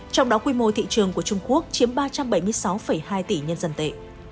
trong đó quy mô thị trường của trung quốc chiếm ba trăm bảy mươi sáu hai tỷ nhân dân tệ